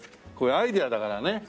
これアイデアだからね。